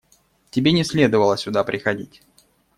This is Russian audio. Тебе не следовало сюда приходить.